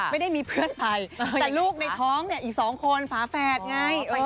ไม่ได้มีเพื่อนไปแต่ลูกในท้องเนี่ยอีก๒คนฝาแฝดไง